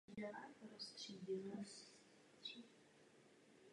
Po odchodu z vládní funkce se vrátil na post guvernéra Poštovní spořitelny.